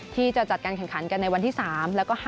ที่จะจัดการแข่งขันกันในวันที่๓แล้วก็๕